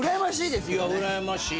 いやうらやましい。